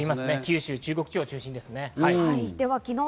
九州、中国地方を中心です。